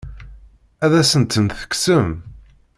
Ad asen-tent-tekksemt?